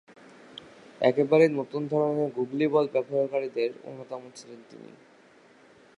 একেবারেই নতুন ধরনের গুগলি বল ব্যবহারকারীদের অন্যতম ছিলেন তিনি।